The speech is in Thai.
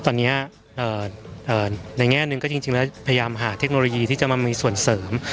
ตอนนี้ในแง่หนึ่งก็จริงแล้วพยายามหาเทคโนโลยีที่จะมามีส่วนเสริม